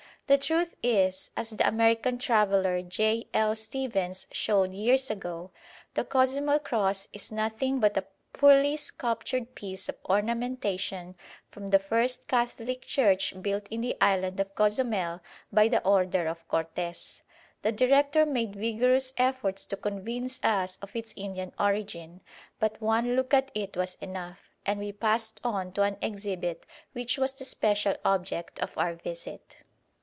The truth is, as the American traveller J. L. Stephens showed years ago, the "Cozumel Cross" is nothing but a poorly sculptured piece of ornamentation from the first Catholic church built in the island of Cozumel by the order of Cortes. The director made vigorous efforts to convince us of its Indian origin, but one look at it was enough; and we passed on to an exhibit which was the special object of our visit.